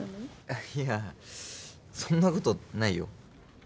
あっいやそんなことないよ。